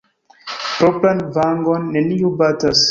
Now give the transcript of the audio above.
Propran vangon neniu batas.